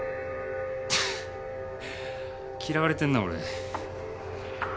嫌われてんな俺。